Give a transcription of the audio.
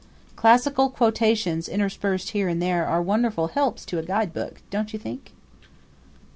Classical quotations interspersed here and there are wonderful helps to a guide book, don't you think?